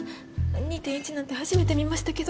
２．１なんて初めて見ましたけど。